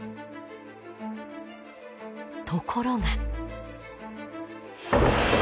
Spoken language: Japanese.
ところが。